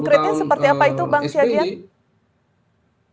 konkretnya seperti apa itu bang syahrian